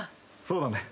そうだね。